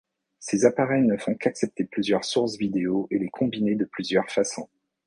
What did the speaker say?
Ces appareils ne font qu'accepter plusieurs sources vidéo et les combiner de plusieurs façons.